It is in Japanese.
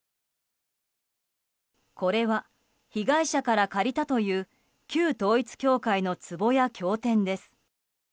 これは、被害者から借りたという旧統一教会の、つぼや経典です。